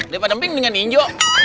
dari pada pink dengan ninjo